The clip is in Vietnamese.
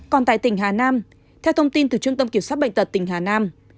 còn tại tỉnh hà nam theo thông tin từ trung tâm kiểm soát bệnh tật tỉnh hà nam